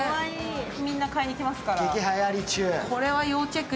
みんな買いに来ますから。